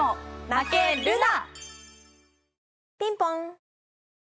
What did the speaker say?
ピンポン。